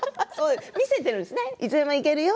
見せているんですね。